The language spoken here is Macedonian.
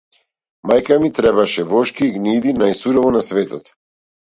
Мајка ми требеше вошки и гниди најсурово на светот.